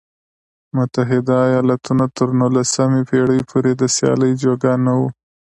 متحده ایالتونه تر نولسمې پېړۍ پورې د سیالۍ جوګه نه و.